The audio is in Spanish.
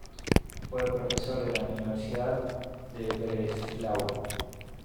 Fue profesor en al Universidad de Breslau.